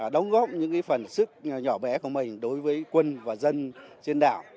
đóng góp những phần sức nhỏ bé của mình đối với quân và dân trên đảo